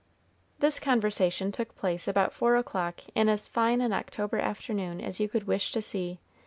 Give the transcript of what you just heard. This conversation took place about four o'clock in as fine an October afternoon as you could wish to see.